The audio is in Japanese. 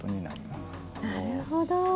なるほど。